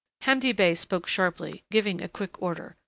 Hamdi Bey spoke sharply, giving a quick order.